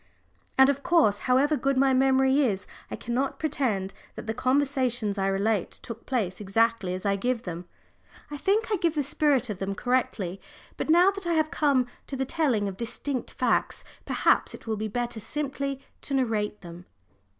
And of course, however good my memory is, I cannot pretend that the conversations I relate took place exactly as I give them. I think I give the spirit of them correctly, but now that I have come to the telling of distinct facts, perhaps it will be better simply to narrate them.